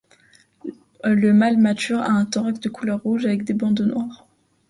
Le mâle mature a un thorax de couleur rouge avec des bandes noires.